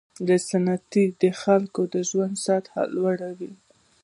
دا صنعتونه د خلکو د ژوند سطحه لوړوي.